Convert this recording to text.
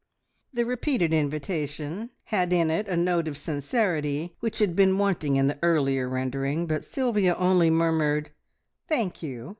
The repeated invitation had in it a note of sincerity which had been wanting in the earlier rendering, but Sylvia only murmured, "Thank you!"